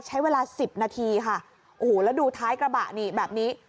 ใช้เวลาสิบนาทีค่ะโอ้โหแล้วดูท้ายกระบะนี่แบบนี้